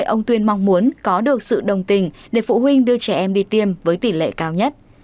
ông tuyên mong muốn có được sự đồng tình để phụ huynh đưa trẻ em đi tiêm với tỷ lệ cao nhất